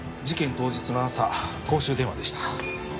事件当日の朝公衆電話でした。